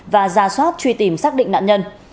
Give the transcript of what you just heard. và ra soát truy tìm xác định nạn nhân